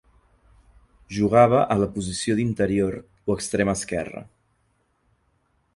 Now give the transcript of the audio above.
Jugava a la posició d'interior o extrem esquerre.